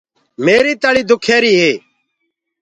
ميريٚ تݪيٚ سُور ڪر رهيري هي۔